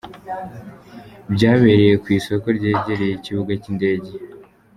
Byabereye ku isoko ryegereye ikibuga cy’indege.